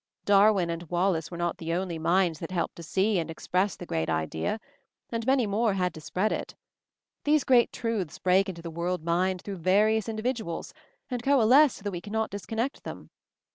Darwin and Wallace were not the only minds that helped to see and express that great idea ; and many more had to spread it. These great truths break into the world mind through various indi viduals, and coalesce so that we cannot dis connect them.